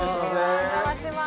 お邪魔しまーす